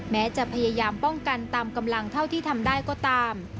แม้จะพยายามป้องกันตามกำลังเท่าที่ทำได้ก็ตาม